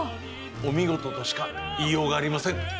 お見事としか言いようがありません。